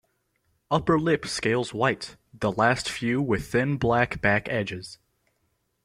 Upper lip scales white, the last few with thin black back edges.